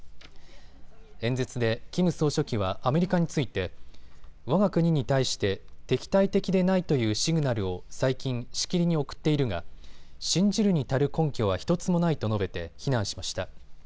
演説でキム総書記はアメリカについてわが国に対して敵対的でないというシグナルを最近しきりに送っているが信じるに足る根拠は１つもないと述べて非難しました。